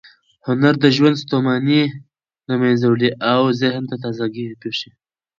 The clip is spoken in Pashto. هنر د ژوند ستوماني له منځه وړي او ذهن ته تازه ګۍ بښي.